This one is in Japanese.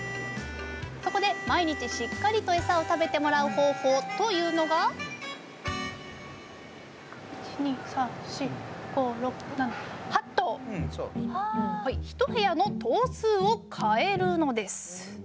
そこで毎日しっかりとエサを食べてもらう方法というのが１２３４５６７一部屋の頭数を変えるのです。